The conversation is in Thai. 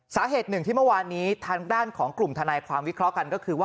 สาเหตุหนึ่งที่เมื่อวานนี้ทางด้านของกลุ่มทนายความวิเคราะห์กันก็คือว่า